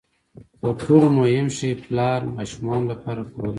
تر ټولو مهم شی پلار ماشومانو لپاره کولای شي.